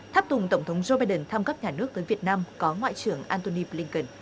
tháp tùng tổng thống joe biden thăm cấp nhà nước tới việt nam có ngoại trưởng antony blinken